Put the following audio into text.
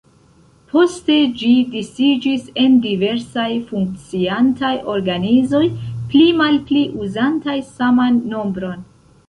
Poste ĝi disiĝis en diversaj funkciantaj organizoj pli mal pli uzantaj saman nombron.